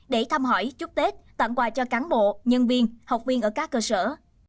để thăm hỏi chúc tết tặng quà cho cán bộ nhân viên học viên ở các cơ sở